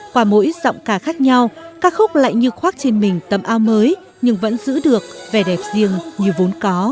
qua mỗi giọng ca khác nhau ca khúc lại như khoác trên mình tấm ao mới nhưng vẫn giữ được vẻ đẹp riêng như vốn có